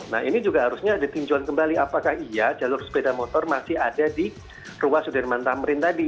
nah ini juga harusnya ditinjauin kembali apakah iya jalur sepeda motor masih ada di ruas udara mantah merin tadi